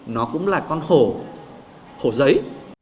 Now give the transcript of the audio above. nó cũng là con hổ hổ giấy